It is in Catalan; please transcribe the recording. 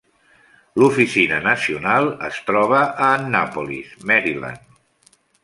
L'oficina nacional es troba a Annapolis, Maryland.